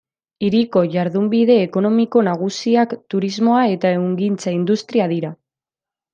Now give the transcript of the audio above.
Hiriko jardunbide ekonomiko nagusiak turismoa eta ehungintza-industria dira.